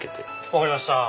分かりました。